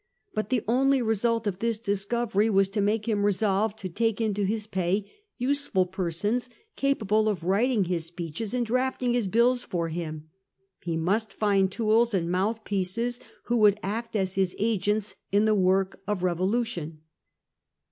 But the only result of this discovery was to make him resolve to take into his pay useful persons capable of writing his speeches and drafting his bills for him. He must find tools and mouthpieces who would act as his agents in the work of revolution.